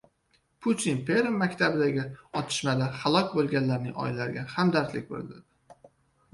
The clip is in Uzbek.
Putin Perm maktabidagi otishmada halok bo‘lganlarning oilalariga hamdardlik bildirdi